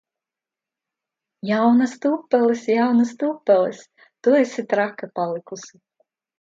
Jaunas tupeles! Jaunas tupeles! Tu esi traka palikusi!